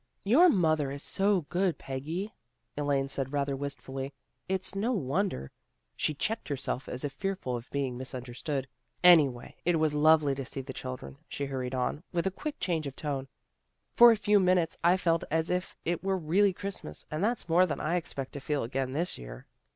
" Your mother is so good, Peggy," Elaine said rather wistfully. " It's no wonder She checked herself as if fearful of being mis understood. " Anyway it was lovely to see the children," she hurried on, with a quick change of tone. " For a few minutes I felt as if it were really Christmas, and that's more than I expect to feel again this year."